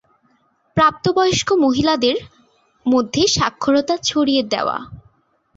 প্রাপ্তবয়স্ক মহিলাদের মধ্যে সাক্ষরতা ছড়িয়ে দেওয়া।